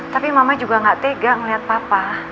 tapi mama juga gak tega ngeliat papa